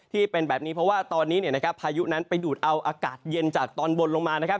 ที่เป็นแบบนี้เพราะว่าตอนนี้เนี่ยนะครับพายุนั้นไปดูดเอาอากาศเย็นจากตอนบนลงมานะครับ